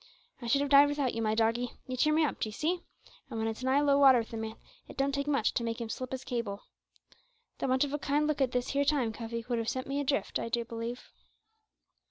I should have died without you, my doggie you cheer me up, d'ee see, and when it's nigh low water with a man, it don't take much to make him slip his cable. The want of a kind look at this here time, Cuffy, would have sent me adrift, I do believe."